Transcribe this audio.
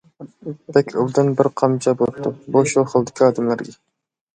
بەك ئوبدان بىر قامچا بوپتۇ، بۇ شۇ خىلدىكى ئادەملەرگە.